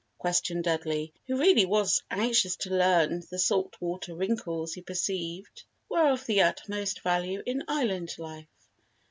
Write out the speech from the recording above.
questioned Dudley, who really was anxious to learn the "salt water" wrinkles he perceived were of the utmost value in Island life.